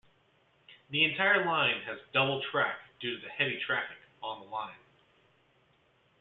The entire line has double track due to the heavy traffic on the line.